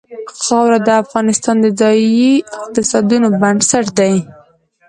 خاوره د افغانستان د ځایي اقتصادونو بنسټ دی.